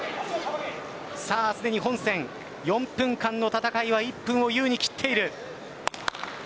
すでに本戦４分間の戦いは１分をゆうに切っている。